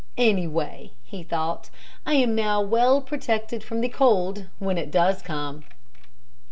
"Anyway," he thought, "I am now well protected from the cold, when it does come."